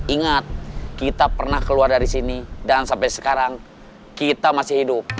ingat kita pernah keluar dari sini dan sampai sekarang kita masih hidup